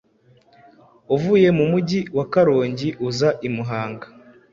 uvuye mu Mujyi wa Karongi uza i Muhanga,